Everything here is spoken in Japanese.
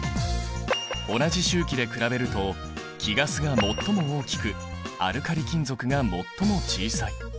同じ周期で比べると貴ガスが最も大きくアルカリ金属が最も小さい。